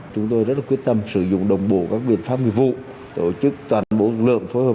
chúng tôi rất quyết tâm sử dụng đồng bộ các biện pháp nghiệp vụ tổ chức toàn bộ lực lượng phối hợp